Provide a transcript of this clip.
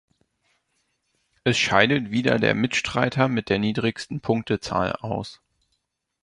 Es scheidet wieder der Mitstreiter mit der niedrigsten Punktezahl aus.